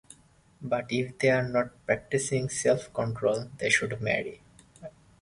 But if they are not practicing self-control, they should marry.